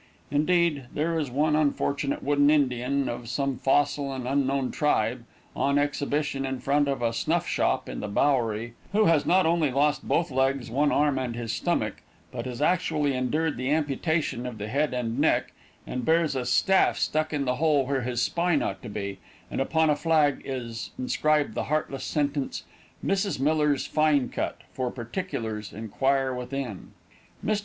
Indeed, there is one unfortunate wooden Indian, of some fossil and unknown tribe, on exhibition in front of a snuff shop in the Bowery, who has not only lost both legs, one arm, and his stomach, but has actually endured the amputation of the head and neck, and bears a staff stuck in the hole where his spine ought to be, and upon a flag is inscribed the heartless sentence, "Mrs. Miller's Fine Cut for particulars inquire within." Mr.